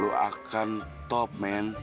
lo akan top men